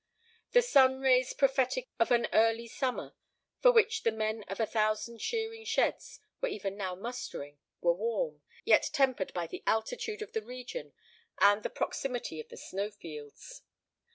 The sun rays prophetic of an early summer, for which the men of a thousand shearing sheds were even now mustering, were warm, yet tempered by the altitude of the region and the proximity of the snow fields.